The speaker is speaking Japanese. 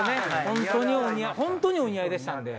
本当にお似合いでしたんで。